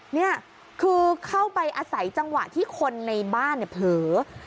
นี่คือเข้าไปอาศัยจังหวะที่คนในบ้านเนี่ยเผลอ